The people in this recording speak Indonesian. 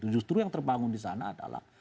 justru yang terbangun disana adalah